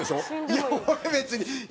いや俺別に。